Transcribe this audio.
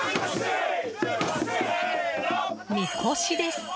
みこしです。